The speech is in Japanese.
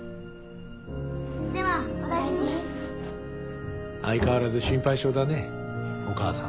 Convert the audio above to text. ・ではお大事に・相変わらず心配性だねお母さん。